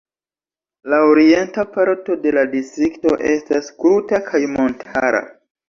La orienta parto de la Distrikto estas kruta kaj montara.